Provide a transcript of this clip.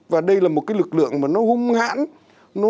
và đây là một cái lực lượng mà nó hung hãn